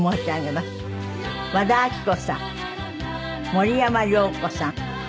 和田アキ子さん森山良子さん